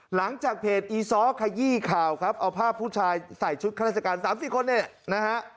หลังจากเพจอีซ้อขยี้ข่าวครับเอาภาพผู้ชายใส่ชุดข้าราชการ๓๔คนเนี่ยนะฮะ